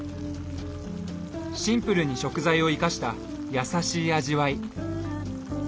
シンプルに食材を生かした優しい味わい。